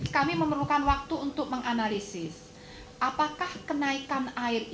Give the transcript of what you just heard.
kami memerlukan waktu untuk menganalisis apakah kenaikan air itu